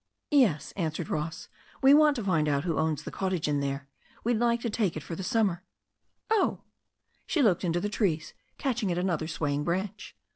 "Yes," answered Ross. "We want to find out who owns the cottage in there. We'd like to take it for the sum mer." "Oh !" She looked up into the trees, catching at another swaying branch.